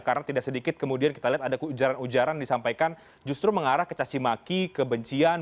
karena tidak sedikit kemudian kita lihat ada ujaran ujaran disampaikan justru mengarah kecasimaki kebencian